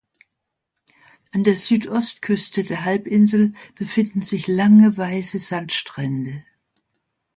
An der Süd-Ostküste der Halbinsel befinden sich lange weiße Sandstrände.